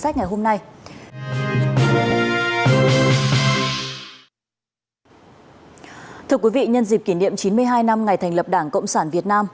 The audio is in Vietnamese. thưa quý vị nhân dịp kỷ niệm chín mươi hai năm ngày thành lập đảng cộng sản việt nam